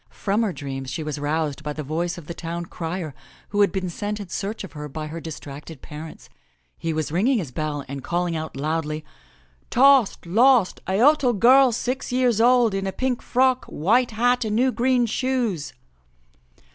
From her dreams she was roused by the voice of the town crier who had been sent in search of her by her distracted parents. He was ringing his bell and calling out loudly, *Tost! Lost! A Uttle girl six years old in a pink frock, white hat and new green shoes!'